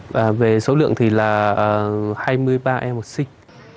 và về số lượng thì là hai mươi ba em một sinh